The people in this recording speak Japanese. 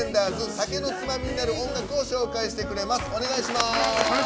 酒のツマミになる音楽を紹介してくれます。